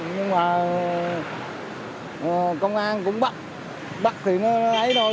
nhưng mà công an cũng bắt bắt thì nó ấy thôi